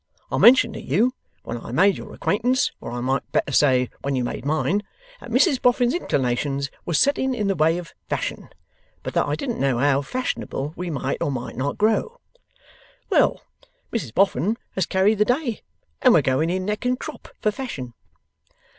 I mentioned to you, when I made your acquaintance, or I might better say when you made mine, that Mrs Boffin's inclinations was setting in the way of Fashion, but that I didn't know how fashionable we might or might not grow. Well! Mrs Boffin has carried the day, and we're going in neck and crop for Fashion.